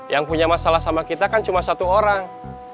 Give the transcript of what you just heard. yang punya masalah sama kita kan cuma satu orang